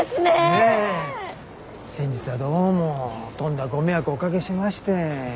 先日はどうもとんだご迷惑をおかけしまして。